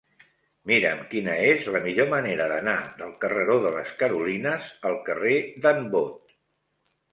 Mira'm quina és la millor manera d'anar del carreró de les Carolines al carrer d'en Bot.